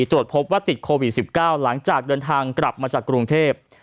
ตรวจพบว่าติดโควิด๑๙หลังจากเดินทางกลับมาจากกรุงเทพ